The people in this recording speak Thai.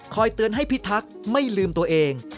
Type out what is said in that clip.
เตือนให้พิทักษ์ไม่ลืมตัวเอง